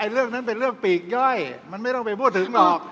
เรื่องนั้นเป็นเรื่องปีกย่อยมันไม่ต้องไปพูดถึงหรอก